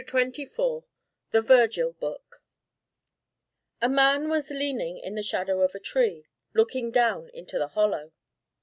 CHAPTER XXIV THE VIRGIL BOOK A man was leaning in the shadow of a tree, looking down into the Hollow.